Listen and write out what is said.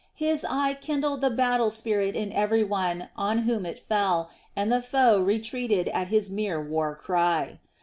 His eye kindled the battle spirit in every one on whom it fell, and the foe retreated at his mere war cry.